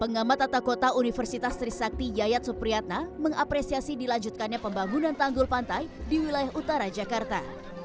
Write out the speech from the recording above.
pengamat tata kota universitas trisakti yayat supriyatna mengapresiasi dilanjutkannya pembangunan tanggul pantai di wilayah utara jakarta